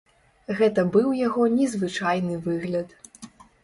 Гэта быў яго незвычайны выгляд.